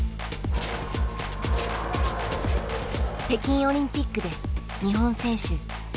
北京オリンピックで日本選手